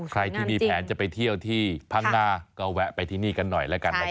ใครที่มีแผนจะไปเที่ยวที่พังงาก็แวะไปที่นี่กันหน่อย